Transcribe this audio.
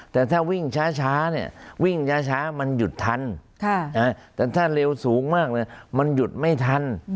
แต่ถ้าวิ่งช้าเนี่ยวิ่งช้ามันหยุดทันแต่ถ้าเร็วสูงมากเลยมันหยุดไม่ทัน